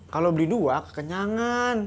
kalo beli dua kekenyangan